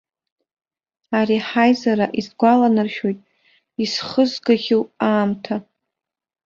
Ари ҳаизара исгәаланаршәоит исхызгахьоу аамҭа.